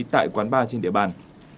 tại quán bar trên địa bàn